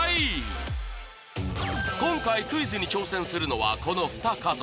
今回クイズに挑戦するのはこの２家族。